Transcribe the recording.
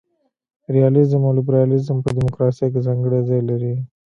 ریالیزم او لیبرالیزم په دموکراسي کي ځانګړی ځای لري.